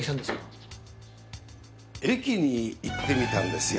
駅に行ってみたんですよ。